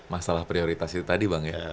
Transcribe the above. masalah prioritas itu tadi bang ya